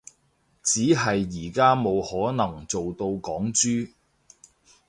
只係而家冇可能做到港豬